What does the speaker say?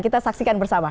kita saksikan bersama